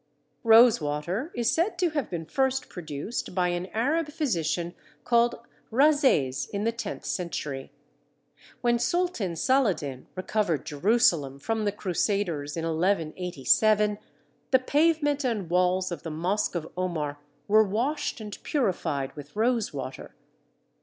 Rosewater is said to have been first produced by an Arab physician called Rhazés in the tenth century. When Sultan Saladin recovered Jerusalem from the Crusaders in 1187, the pavement and walls of the Mosque of Omar were washed and purified with rosewater.